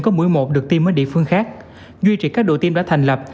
có mũi một được tiêm ở địa phương khác duy trì các đội tiêm đã thành lập